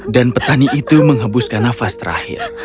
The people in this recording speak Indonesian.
dan petani itu menghabuskan nafas terakhir